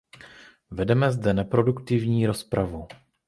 Vedeme zde neproduktivní rozpravu.